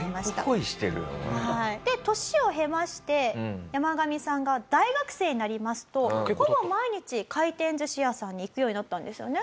で年を経ましてヤマガミさんが大学生になりますとほぼ毎日回転寿司屋さんに行くようになったんですよね？